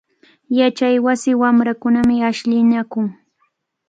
Yachaywasi wamrakunami ashllinakun.